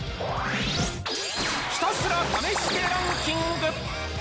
ひたすら試してランキング。